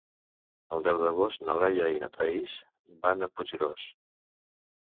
El deu d'agost na Laia i na Thaís van a Puiggròs.